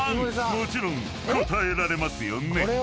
もちろん答えられますよね？］